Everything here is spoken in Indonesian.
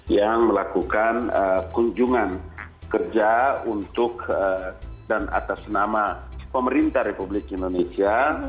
yang melakukan kunjungan kerja untuk dan atas nama pemerintah republik indonesia